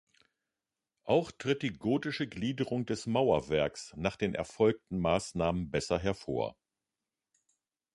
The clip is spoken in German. Auch tritt die gotische Gliederung des Mauerwerks nach den erfolgten Maßnahmen besser hervor.